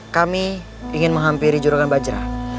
kami ingin menghampiri juragan bajra